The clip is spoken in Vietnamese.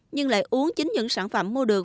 nhưng lại uống chính những sản phẩm mua được